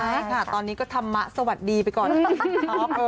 ใช่ค่ะตอนนี้ก็ธรรมะสวัสดีไปก่อน